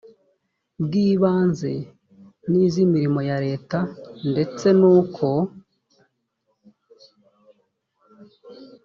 bw ibanze n iz imirimo ya leta ndetse n uko